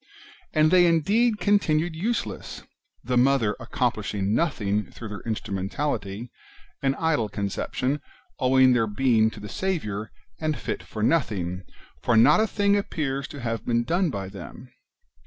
And they indeed continued useless, the Mother accomplishing nothing through their instrumentality,^ — an idle conception, owing their being to the Saviour, and fit for nothing, for not a thing appears to have been done by them.